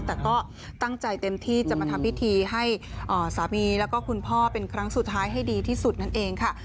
แต่ก็ตั้งใจเต็มที่จะมาทำพิธีให้สามีแล้วก็คุณพ่อเป็นครั้งสุดท้ายให้ดีที่สุดนั่นเองค่ะ